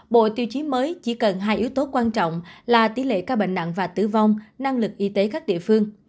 bộ tiêu chí mới chỉ cần hai yếu tố quan trọng là tỷ lệ ca bệnh nặng và tử vong năng lực y tế các địa phương